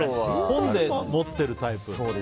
本で持ってるタイプ。